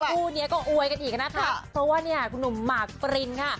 คู่นี้ก็อวยกันอีกนะคะเพราะว่าเนี่ยคุณหนุ่มหมากปรินค่ะ